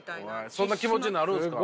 そんな気持ちになるんすか。